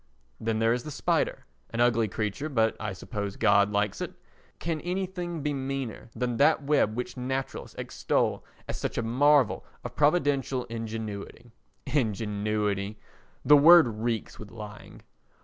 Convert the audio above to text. Then there is the spider—an ugly creature, but I suppose God likes it—can anything be meaner than that web which naturalists extol as such a marvel of Providential ingenuity? Ingenuity! The word reeks with lying.